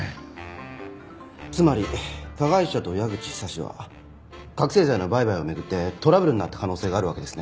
つまり加害者と矢口久志は覚醒剤の売買を巡ってトラブルになった可能性があるわけですね。